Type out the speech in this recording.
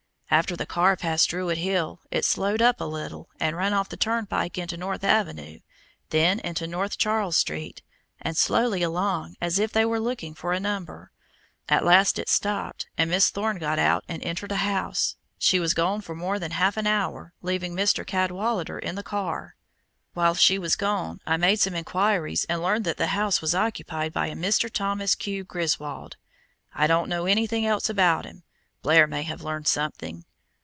"After the car passed Druid Hill it slowed up a little, and ran off the turnpike into North Avenue, then into North Charles Street, and slowly along that as if they were looking for a number. At last it stopped and Miss Thorne got out and entered a house. She was gone for more than half an hour, leaving Mr. Cadwallader with the car. While she was gone I made some inquiries and learned that the house was occupied by a Mr. Thomas Q. Griswold. I don't know anything else about him; Blair may have learned something.